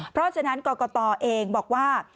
เพราะฉะนั้นกรกตเองบอกว่า